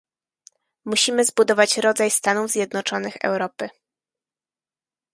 "Musimy zbudować rodzaj Stanów Zjednoczonych Europy"